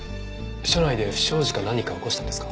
署内で不祥事か何か起こしたんですか？